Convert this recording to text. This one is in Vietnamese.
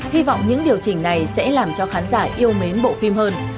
hy vọng những điều chỉnh này sẽ làm cho khán giả yêu mến bộ phim hơn